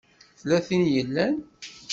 Tella tin i yellan?